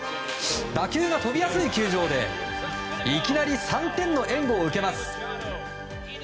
打球が飛びやすい球場でいきなり３点の援護を受けます。